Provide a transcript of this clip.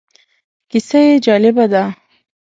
کیسه یې جالبه ده.